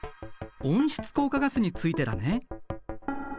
温室効果ガスについてだね。